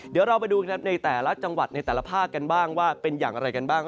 เดี๋ยวเราไปดูครับในแต่ละจังหวัดในแต่ละภาคกันบ้างว่าเป็นอย่างไรกันบ้าง